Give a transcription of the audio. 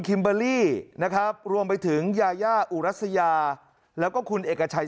เบอร์รี่นะครับรวมไปถึงยายาอุรัสยาแล้วก็คุณเอกชัย